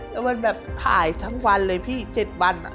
แล้วมันแบบขายทั้งวันเลยพี่๗วัน